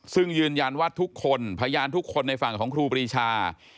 ซึ่งยืนยันว่าทุกคนพยานทุกคนในฝั่งของครูปรีชา